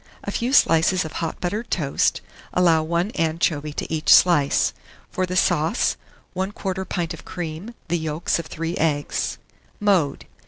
A few slices of hot buttered toast; allow 1 anchovy to each slice. For the sauce, 1/4 pint of cream, the yolks of 3 eggs. Mode.